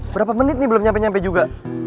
berapa menit nih belum nyampe nyampe juga